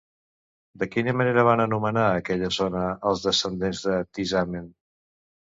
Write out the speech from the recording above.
De quina manera van anomenar aquella zona els descendents de Tisamen?